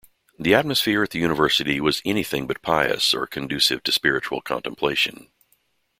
The atmosphere at the university was anything but pious or conducive to spiritual contemplation.